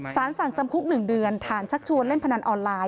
สารสั่งจำคุก๑เดือนฐานชักชวนเล่นพนันออนไลน์